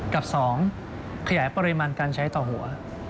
กับ๒ขยายปริมาณการใช้ต่อหัว